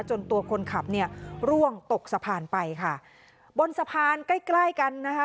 ตัวคนขับเนี่ยร่วงตกสะพานไปค่ะบนสะพานใกล้ใกล้กันนะคะ